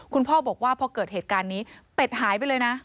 คุณพ่อบอกว่าพอเกิดเหตุการณ์นี้เป็ดหายไปเลยนะ